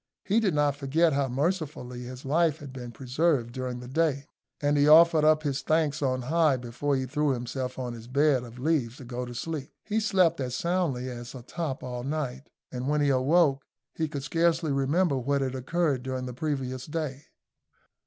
He did not forget how mercifully his life had been preserved during the day, and he offered up his thanks on high before he threw himself on his bed of leaves to go to sleep. He slept as soundly as a top all night, and when he awoke he could scarcely remember what had occurred during the previous day.